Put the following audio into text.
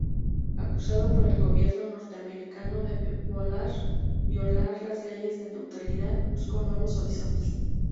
Acusado por el gobierno norteamericano de violar las leyes de neutralidad, buscó nuevos horizontes.